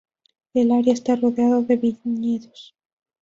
El área está rodeado de viñedos.